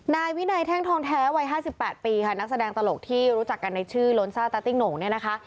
นายวินัยแท่งทองแท้วัย๕๘ปีค่ะนักแสดงตลกที่รู้จักกันในชื่อโลนซ่าตาติ้งหน่งเนี่ยนะคะ